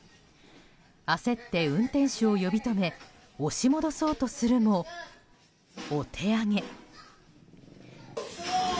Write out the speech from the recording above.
焦って運転手を呼び止め押し戻そうとするもお手上げ。